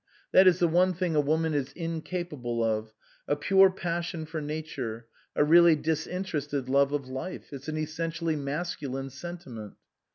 That is the one thing a woman is incapable of a pure passion for Nature, a really disinterested love of life. It's an essentially masculine sentiment."